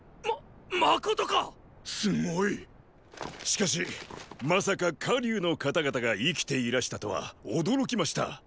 しかしまさか火龍の方々が生きていらしたとは驚きました。